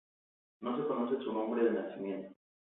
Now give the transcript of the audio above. No se conoce su nombre de nacimiento.